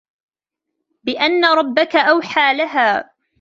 بِأَنَّ رَبَّكَ أَوْحَى لَهَا